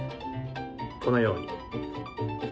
このように。